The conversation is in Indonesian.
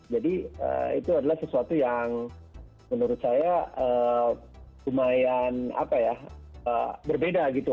jadi itu adalah sesuatu yang menurut saya lumayan berbeda gitu